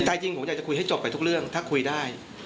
ใจจริงผมอยากจะคุยให้จบไปทุกเรื่องถ้าคุยได้